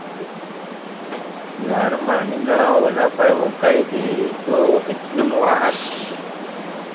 Naaré ma ni naa la bay wo gay ge do woge ti lumo wa hase.